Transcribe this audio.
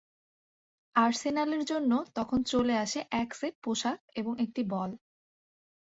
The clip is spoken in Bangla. আর্সেনালের জন্য তখন চলে আসে এক সেট পোশাক এবং একটি বল।